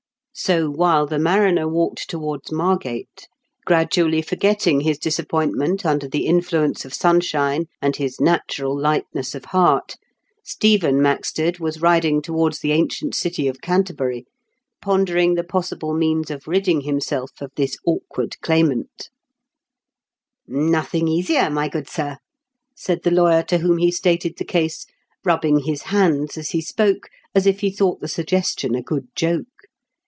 So while the mariner walked towards Margate, gradually forgetting his disappoint ment under the influence of sunshine and his natural lightness of heart, Stephen Maxted was riding towards the ancient city of Canterbury, pondering the possible means of ridding himself of this awkwl claimant "Nothing easier, my good sir," said the lawyer to whom he stated the case, rubbing his hands as he spoke, as if he thought the suggestion a good joke.